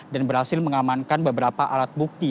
dan berhasil mengamankan beberapa alat bukti